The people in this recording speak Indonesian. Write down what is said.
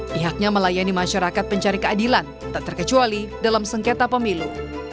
pihaknya melayani masyarakat pencari keadilan tak terkecuali dalam sengketa pemilu